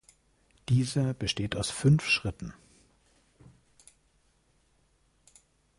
Dieser besteht aus fünf Schritten.